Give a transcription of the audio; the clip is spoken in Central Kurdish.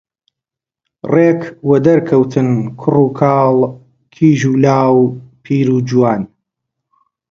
ڕێک وەدەرکەوتن کوڕوکاڵ، کیژ و لاو، پیر و جوان